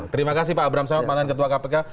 terima kasih pak abramsawa paman ketua kpk